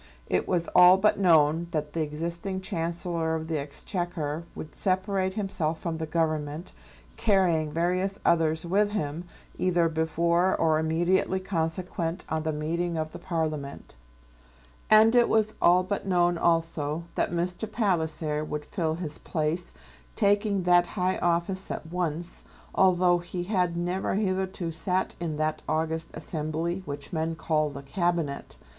It was all but known that the existing Chancellor of the Exchequer would separate himself from the Government, carrying various others with him, either before or immediately consequent on the meeting of Parliament; and it was all but known, also, that Mr. Palliser would fill his place, taking that high office at once, although he had never hitherto sat in that august assembly which men call the Cabinet.